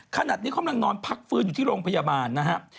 ขนาดนี้กำลังนอนพักฟื้นอยู่ที่โรงพยาบาลนะครับ